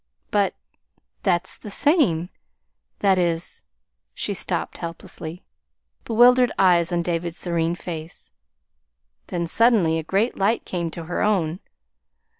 "But, that's the same that is " She stopped helplessly, bewildered eyes on David's serene face. Then suddenly a great light came to her own.